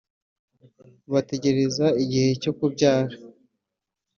bategereza igihe cyo kubyara